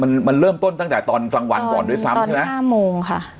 มันมันเริ่มต้นตั้งแต่ตอนกลางวันก่อนด้วยซ้ำใช่ไหมห้าโมงค่ะ